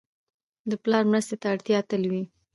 د پلار مرستې ته اړتیا تل وي.